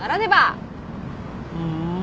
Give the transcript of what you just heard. ふん。